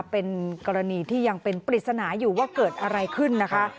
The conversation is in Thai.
เป็นกรณีที่ยังเป็นปริศนาอยู่ว่าเกิดอะไรขึ้นนะคะ